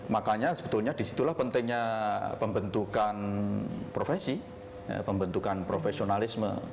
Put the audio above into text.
makanya sebetulnya disitulah pentingnya pembentukan profesi pembentukan profesionalisme